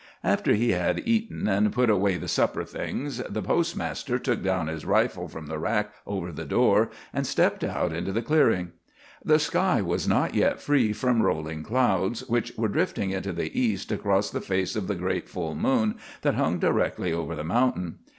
After he had eaten, and put away the supper things, the postmaster took down his rifle from the rack over the door, and stepped out into the clearing. The sky was not yet free from rolling clouds, which were drifting into the east across the face of the great full moon that hung directly over the mountain.